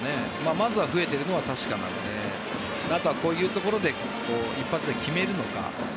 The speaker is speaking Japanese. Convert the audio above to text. まずは増えているのは確かなのであとは、こういうところで一発で決めるのか。